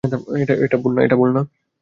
এটা ভুল না?